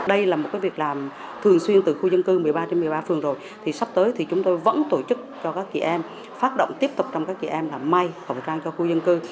đây là một việc làm thường xuyên từ khu dân cư một mươi ba trên một mươi ba phường rồi thì sắp tới thì chúng tôi vẫn tổ chức cho các chị em phát động tiếp tục trong các chị em là may khẩu trang cho khu dân cư